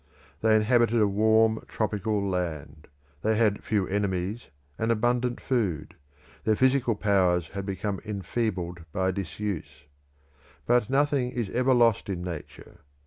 They inhabited a warm tropical land; they had few enemies, and abundant food; their physical powers had been enfeebled by disuse, But nothing is ever lost in nature.